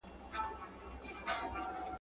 • په بدلو څوک نه لوئېږي.